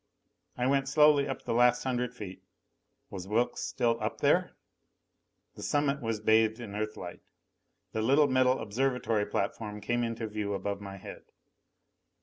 I went slowly up the last hundred feet. Was Wilks still up there? The summit was bathed in Earthlight. The little metal observatory platform came into view above my head.